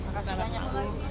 terima kasih banyak